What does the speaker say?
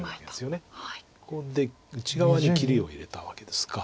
ここで内側に切りを入れたわけですか。